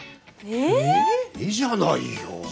「えっ！？」じゃないよ。